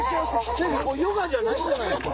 ヨガじゃないんじゃないですか？